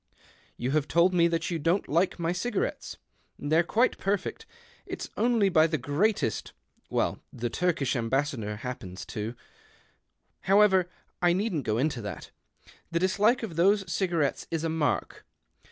You have told me that you don't ike my cigarettes. They're quite perfect. 't's only by the greatest — well, the Turkish Embassador happens to . However, I leedn't go into that. The dislike of those cigarettes is a mark.